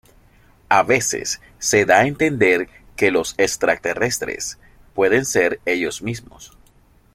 A veces se da a entender que los extraterrestres pueden ser ellos mismos.